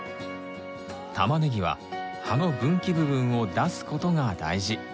タマネギは葉の分岐部分を出す事が大事。